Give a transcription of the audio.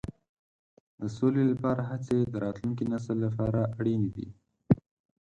د سولې لپاره هڅې د راتلونکي نسل لپاره اړینې دي.